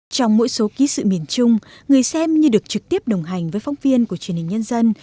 trong mỗi số ký sự miền trung người xem như được trực tiếp đồng hành với phóng viên của truyền hình nhân dân